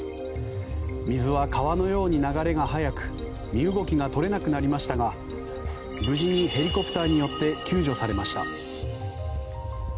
水は川のように流れが速く身動きが取れなくなりましたが無事にヘリコプターによって救助されました。